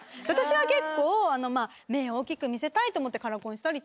私は結構目大きく見せたいと思って。